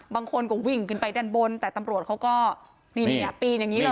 บางคนก็วิ่งขึ้นไปด้านบนแต่ตำรวจเขาก็นี่เนี่ยปีนอย่างนี้เลย